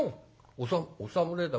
おさお侍だ。